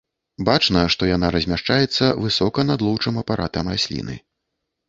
Бачна, што яна размяшчаецца высока над лоўчым апаратам расліны.